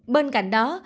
bên cạnh đó